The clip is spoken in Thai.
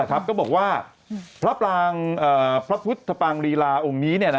ก็บอกว่าพระพุทธปางรีลาองค์นี้